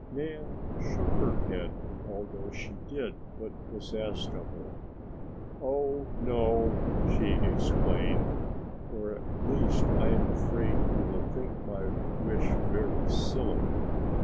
Nan shook her head, although she did what was asked of her. "Oh no," she explained, "or at least I am afraid you will think my wish very silly.